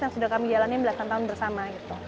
yang sudah kami jalani dua belas tahun bersama